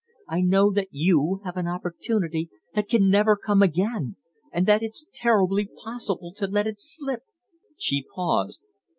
I know that you have an opportunity that can never come again and that it's terribly possible to let it slip " She paused.